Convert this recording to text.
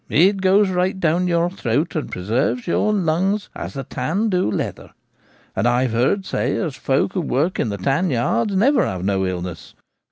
It goes right down your throat, and pre serves your lungs as the tan do leather. And I've heard say as folk who work in the tan yards never have no illness.